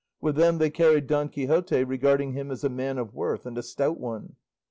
With them they carried Don Quixote, regarding him as a man of worth and a stout one.